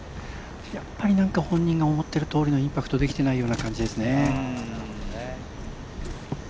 やっぱり本人が思ってるとおりのインパクトできてないような感じですね。